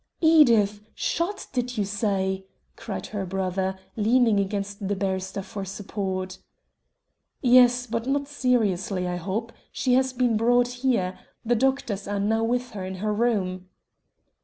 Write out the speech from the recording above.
"Edith! Shot, did you say!" cried her brother, leaning against the barrister for support. "Yes, but not seriously, I hope. She has been brought here. The doctors are now with her in her room."